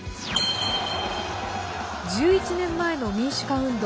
１１年前の民主化運動